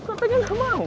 kok kalian gak mau